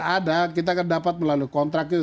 ada kita akan dapat melalui kontrak itu